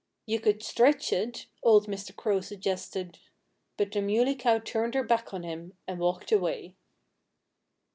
"You could stretch it," old Mr. Crow suggested. But the Muley Cow turned her back on him and walked away.